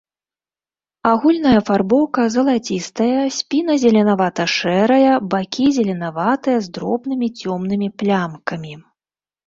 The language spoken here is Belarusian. Агульная афарбоўка залацістая, спіна зеленавата-шэрая, бакі зеленаватыя з дробнымі цёмнымі плямкамі.